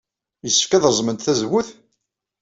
Yessefk ad reẓment tazewwut?